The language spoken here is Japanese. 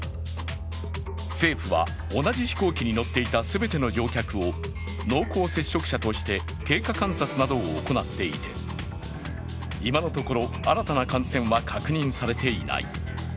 政府は同じ飛行機に乗っていた全ての乗客を濃厚接触者として経過観察などを行っていて、今のところ新たな感染は確認されていない。